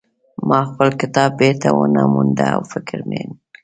ما خپل کتاب بیرته ونه مونده او فکرمن یم